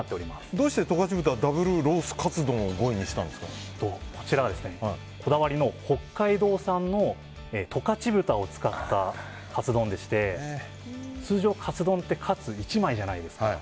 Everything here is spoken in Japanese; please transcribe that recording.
どうして十勝豚Ｗロースカツ丼をこちらはこだわりの北海道産の十勝豚を使ったカツ丼でして通常カツ丼ってカツ１枚じゃないですか。